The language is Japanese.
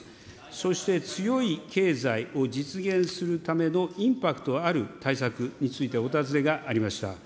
そして強い経済を実現するためのインパクトある対策についてお尋ねがありました。